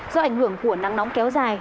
do ảnh hưởng của nắng nóng kéo dài